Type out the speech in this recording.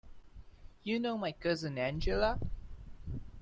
You know my cousin Angela?